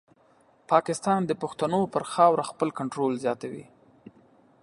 پاکستان د پښتنو پر خاوره خپل کنټرول زیاتوي.